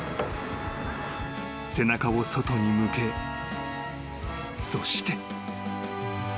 ［背中を外に向けそして］